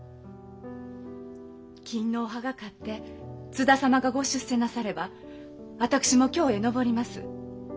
勤皇派が勝って津田様が御出世なされば私も京へ上ります。